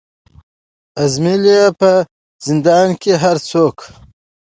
آزمېیل یې په زندان کي هره څوکه